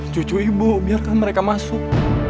cucu ibu biarkan mereka masuk